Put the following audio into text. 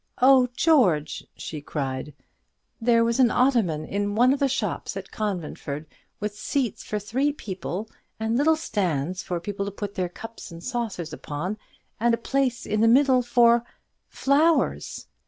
"Oh, George," she cried, "there was an ottoman in one of the shops at Conventford with seats for three people, and little stands for people to put their cups and saucers upon, and a place in the middle for FLOWERS!